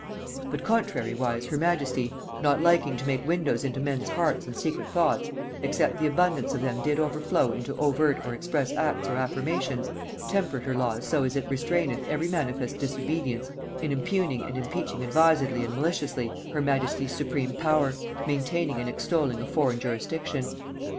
But contrariwise her majesty, not liking to make windows into men's hearts and secret thoughts, except the abundance of them did overflow into overt or express acts or affirmations, tempered her laws so as it restraineth every manifest disobedience in impugning and impeaching advisedly and maliciously her majesty's supreme power, maintaining and extolling a foreign jurisdiction.